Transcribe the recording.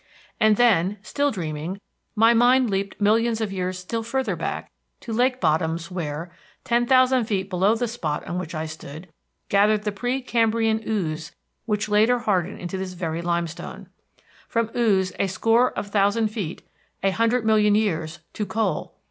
And then, still dreaming, my mind leaped millions of years still further back to lake bottoms where, ten thousand feet below the spot on which I stood, gathered the pre Cambrian ooze which later hardened to this very limestone. From ooze a score of thousand feet, a hundred million years, to coal!